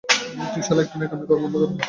তুই শালা একটু ন্যাকামি করা বন্ধ করবি?